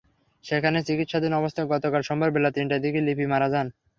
সেখানে চিকিৎসাধীন অবস্থায় গতকাল সোমবার বেলা তিনটার দিকে লিপি মারা যান।